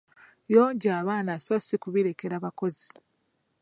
Yonja abaana so si kubirekera bakozi.